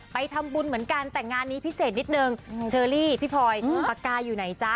ไปทำบุญเหมือนกันแต่งานนี้พิเศษนิดนึงเชอรี่พี่พลอยปากกาอยู่ไหนจ๊ะ